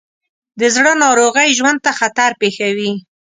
د زړه ناروغۍ ژوند ته خطر پېښوي.